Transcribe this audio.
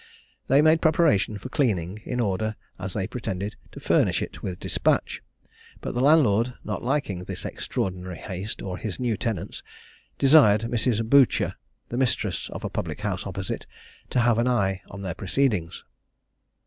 They made preparation for cleaning, in order, as they pretended, to furnish it with despatch; but the landlord, not liking this extraordinary haste, or his new tenants, desired Mrs. Boucher, the mistress of a public house opposite, to have an eye on their proceedings.